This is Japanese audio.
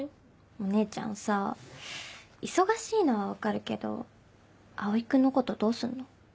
お姉ちゃんさ忙しいのは分かるけど蒼君のことどうすんの？